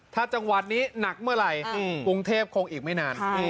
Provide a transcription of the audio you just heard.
ถ้าจังหวัดนี้หนักเมื่อไหร่กรุงเทพคงอีกไม่นาน